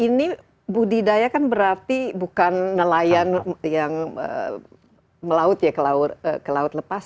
ini budidaya kan berarti bukan nelayan yang melaut ya ke laut lepas